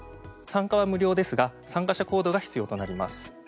参加は無料ですが参加者コードが必要となります。